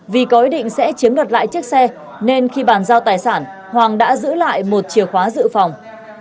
vì có ý định sẽ chiếm đoạt lại chiếc xe nên khi bàn giao tài sản hoàng đã giữ lại một chìa khóa dự phòng